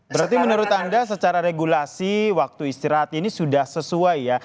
berarti menurut anda secara regulasi waktu istirahat ini sudah sesuai ya